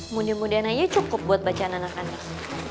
muda mudan aja cukup buat bacaan anak anak